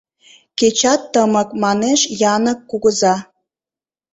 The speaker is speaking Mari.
Кечат тымык, — манеш Янык кугыза.